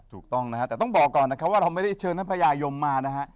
ถูกต้องนะฮะแต่ต้องบอกก่อนนะครับว่าเราไม่ได้เชิญท่านพญายมมานะฮะ